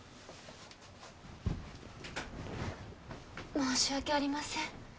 申し訳ありません